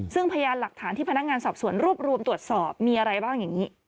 ซึ่งพยานหลักฐานที่พนักงานสอบสวนรวบรวมตรวจสอบมีอะไรบ้างอย่างนี้